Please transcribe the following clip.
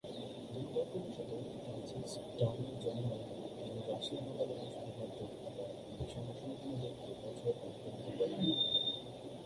দুর্ভাগ্যবশত Francis Dana জন্য, তিনি রাশিয়ান আদালতে শুধুমাত্র তার মিশন অসম্পূর্ণ দেখতে বছর অতিবাহিত।